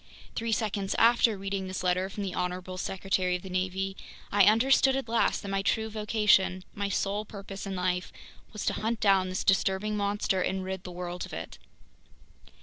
Three seconds after reading this letter from the honorable Secretary of the Navy, I understood at last that my true vocation, my sole purpose in life, was to hunt down this disturbing monster and rid the world of it.